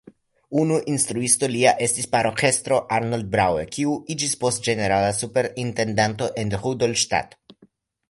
Unu instruisto lia estis paroĥestro Arnold Braue kiu iĝis poste ĝenerala superintendanto en Rudolstadt.